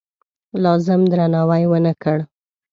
لازم درناوی ونه کړ.